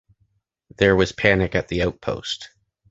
There was panic at the outpost.